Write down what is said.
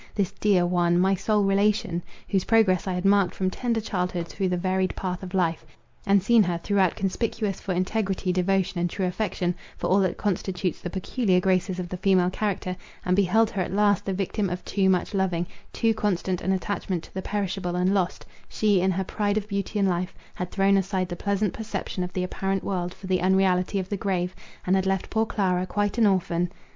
This dear one, my sole relation; whose progress I had marked from tender childhood through the varied path of life, and seen her throughout conspicuous for integrity, devotion, and true affection; for all that constitutes the peculiar graces of the female character, and beheld her at last the victim of too much loving, too constant an attachment to the perishable and lost, she, in her pride of beauty and life, had thrown aside the pleasant perception of the apparent world for the unreality of the grave, and had left poor Clara quite an orphan.